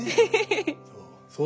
そう。